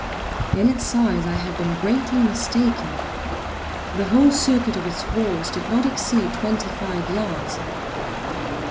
In its size I had been greatly mistaken. The whole circuit of its walls did not exceed twenty five yards.